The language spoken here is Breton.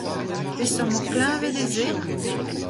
Peseurt mod kleñved eo se ?